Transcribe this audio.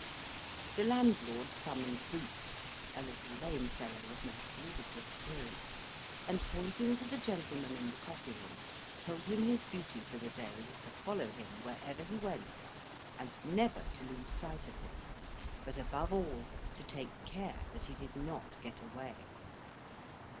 The landlord summoned boots a little lame fellow, of most ludicrous appearance, and pointing to the gentleman in the coffee room, told him his duty for the day was to follow him wherever he went, and never to lose sight of him; but above all to take care that he did not get away.